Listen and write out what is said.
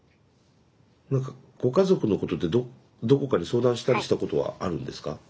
何かご家族のことでどこかに相談したりしたことはあるんですか？